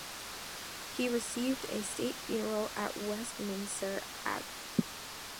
He received a state funeral at Westminster Abbey.